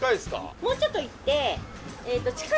もうちょっと行ってえーっと。